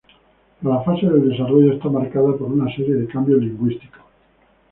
Cada fase del desarrollo está marcada por una serie de cambios lingüísticos.